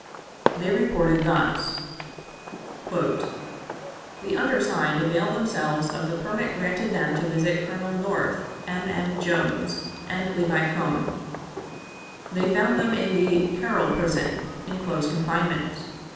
They reported thus: "The undersigned availed themselves of the permit granted them to visit Colonel North, M. M. Jones, and Levi Cohn. They found them in the 'Carroll Prison,' in close confinement.